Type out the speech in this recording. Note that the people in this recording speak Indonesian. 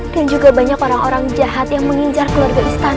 dan juga banyak orang orang jahat yang mengincar keluarga istana